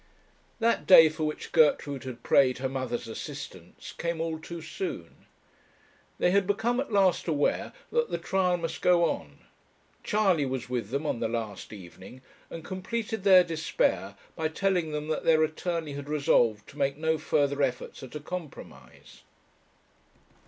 That day for which Gertrude had prayed her mother's assistance came all too soon. They had become at last aware that the trial must go on. Charley was with them on the last evening, and completed their despair by telling them that their attorney had resolved to make no further efforts at a compromise.